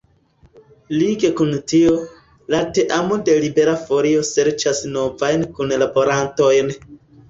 Lige kun tio, la teamo de Libera Folio serĉas novajn kunlaborantojn.